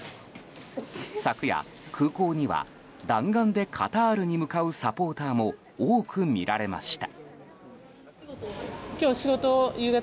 昨夜、空港には弾丸でカタールに向かうサポーターも多く見られました。